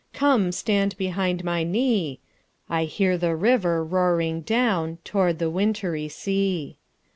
Come, stand beside my knee:I hear the river roaring downTowards the wintry sea.